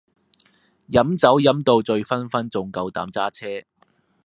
飲酒飲到醉醺醺仲夠膽揸車